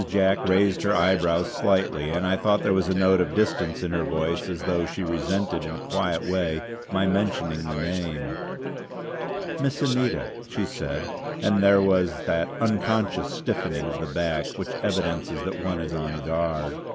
Jack raised her eyebrows slightly, and I thought there was a note of distance in her voice, as though she resented in a quiet way my mentioning the name: "Miss Anita!" she said; and there was that unconscious stiffening of the back which evidences that one is on guard.